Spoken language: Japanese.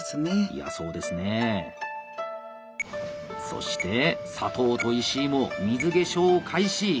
そして佐藤と石井も水化粧を開始！